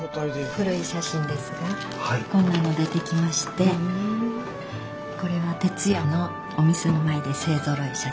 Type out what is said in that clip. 古い写真ですがこんなの出てきましてこれは「てつや」のお店の前で勢ぞろいした写真ですね。